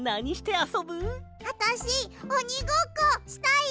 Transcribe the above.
あたしおにごっこしたい！